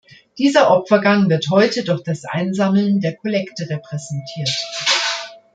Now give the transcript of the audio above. Dieser Opfergang wird heute durch das Einsammeln der Kollekte repräsentiert.